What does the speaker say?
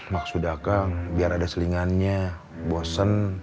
maksud sudahkah biar ada selingannya bosen